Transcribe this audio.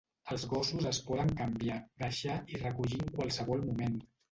Els gossos es poden canviar, deixar i recollir en qualsevol moment.